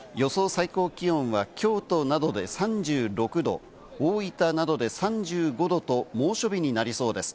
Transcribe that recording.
最高気温は京都などで３６度、大分などで３５度と猛暑日になりそうです。